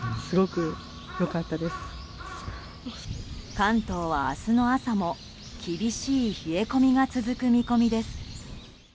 関東は明日の朝も厳しい冷え込みが続く見込みです。